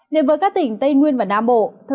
điểm với các tỉnh tây nguyên và nam bộ